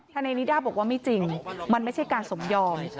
นายนิด้าบอกว่าไม่จริงมันไม่ใช่การสมยอม